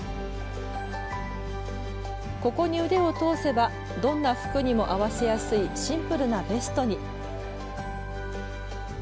ここに腕を通せばどんな服にも合わせやすいシンプルなベストに。